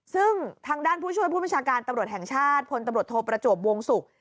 ซึ่งทางด้านผู้ช่วยผู้บัญชาการตำรวจแห่งชาติพลตำรวจโทประจวบวงศุกร์